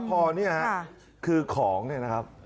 คุณผู้ชมครับพอเนี้ยค่ะคือของเนี้ยนะครับ